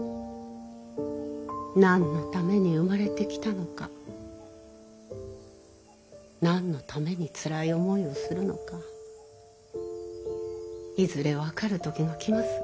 何のために生まれてきたのか何のためにつらい思いをするのかいずれ分かる時が来ます。